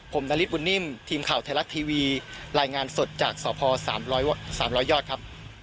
ผมนาริสบุญนิ่มทีมข่าวไทยรัฐทีวีรายงานสดจากสพ๓๐๐ยอดครับ